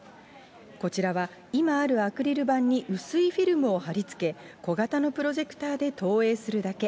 こちらは、今あるアクリル板に薄いフィルムを貼りつけ、小型のプロジェクターで投影するだけ。